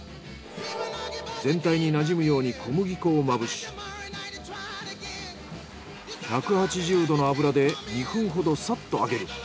全体になじむように小麦粉をまぶし１８０℃の油で２分ほどサッと揚げる。